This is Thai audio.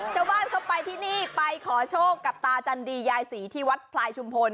ชาวบ้านเข้าไปที่นี่ไปขอโชคกับตาจันดียายศรีที่วัดพลายชุมพล